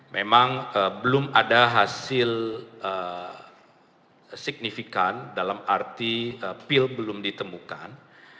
memang belum ada hasil signifikan dalam arti pil belum ditemukan